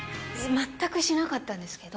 全くしなかったんですけど。